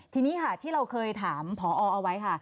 ทีนี้ค่ะที่เราเคยถามพอเอาไว้ค่ะ